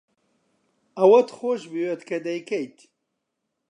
ئەوەت خۆش بوێت کە دەیکەیت.